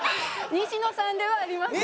西野さんではありません。